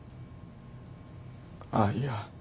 あっいや。